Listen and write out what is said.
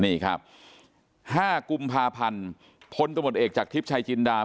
นี่ครับ๕กุมภาพันธ์พลตมติเอกจากทิพย์ชายจินดา